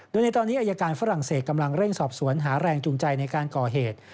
โดยในตอนนี้อายการฝรั่งเศสกำลังเร่งสอบสวนหาแรงจูงใจในการก่อเหตุ